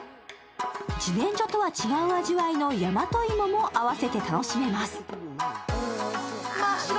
じねんじょとは違う味わいのやまといもも合わせて楽しめます。